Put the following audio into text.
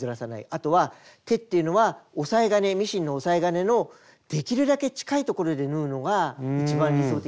あとは手っていうのは押さえ金ミシンの押さえ金のできるだけ近いところで縫うのが一番理想的です。